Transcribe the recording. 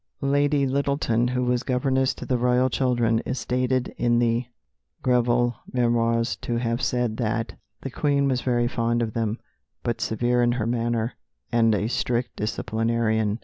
Lady Lyttelton, who was governess to the royal children, is stated in the Greville Memoirs to have said that "the Queen was very fond of them, but severe in her manner, and a strict disciplinarian."